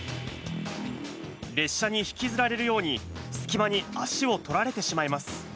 列車に引きずられるように隙間に足を取られてしまいます。